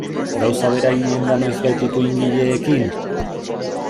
Gauza bera eginen da noizbait ipuingileekin?